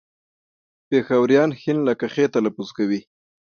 پېښوريان ښ لکه خ تلفظ کوي